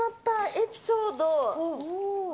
エピソード。